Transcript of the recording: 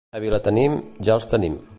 A Vilatenim, ja els tenim.